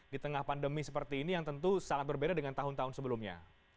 di tengah pandemi seperti ini yang tentu sangat berbeda dengan tahun tahun sebelumnya